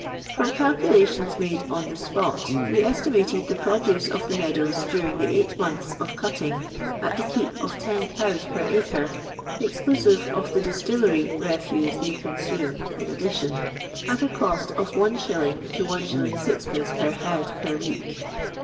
From calculations made on the spot we estimated the produce of the meadow during the eight months of cutting at the keep cf ten cows per acre, exclusive of the difiti^;cr^' re fuse they consume in addition^ at a cost of ]*. t9 Is. 6(7. per head per week.